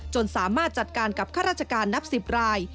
สามารถจัดการกับข้าราชการนับ๑๐ราย